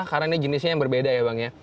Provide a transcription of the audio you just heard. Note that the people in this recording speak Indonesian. karena ini jenisnya yang berbeda ya bang ya